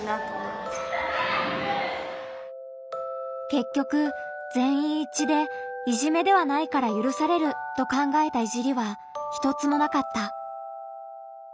けっきょくぜんいん一致でいじめではないからゆるされると考えたいじりは一つもなかった。